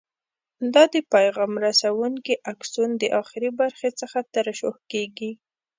دا د پیغام رسونکي آکسون د اخري برخې څخه ترشح کېږي.